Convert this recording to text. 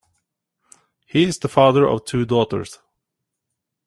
He is the father of two daughters.